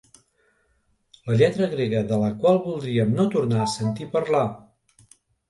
La lletra grega de la qual voldríem no tornar a sentir parlar.